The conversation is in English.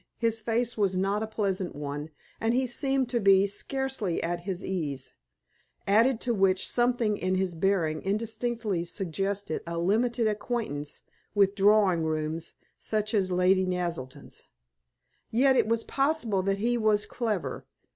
His face was not a pleasant one, and he seemed to be scarcely at his ease, added to which something in his bearing indistinctly suggested a limited acquaintance with drawing rooms such as Lady Naselton's. Yet it was possible that he was clever.